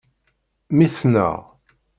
Mmi-tneɣ.